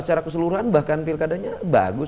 secara keseluruhan bahkan pilkadanya bagus